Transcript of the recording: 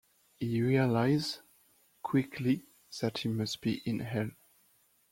He realizes quickly that he must be in hell.